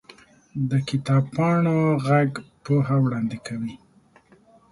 د کتاب پاڼو ږغ پوهه وړاندې کوي.